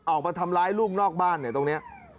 ออกมาทำร้ายลูกนอกบ้านเนี่ยตรงนี้